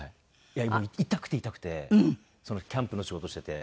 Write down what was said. いやもう痛くて痛くてキャンプの仕事してて。